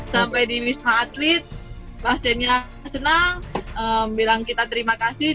sampai di wisma atlet pasiennya senang bilang kita terima kasih